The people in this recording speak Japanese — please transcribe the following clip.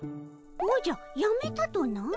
おじゃやめたとな？